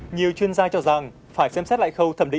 nhiều chuyên gia cho rằng phải xem xét lại khâu thẩm định